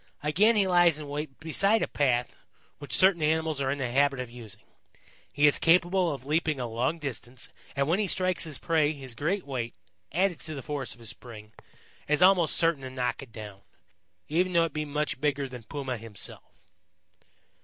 Again he lies in wait beside a path which certain animals are in the habit of using. He is capable of leaping a long distance, and when he strikes his prey his great weight, added to the force of his spring, is almost certain to knock it down, even though it be much bigger than Puma himself.